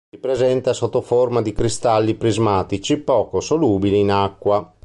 Si presenta sotto forma di cristalli prismatici poco solubili in acqua.